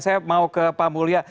saya mau ke pak mulya